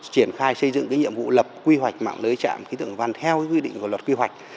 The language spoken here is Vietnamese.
triển khai xây dựng cái nhiệm vụ lập quy hoạch mạng lưới trạm khí tượng văn theo quy định của luật quy hoạch